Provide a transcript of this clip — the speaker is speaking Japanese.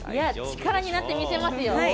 力になってみせますよ！